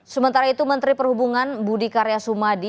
sementara itu menteri perhubungan budi karya sumadi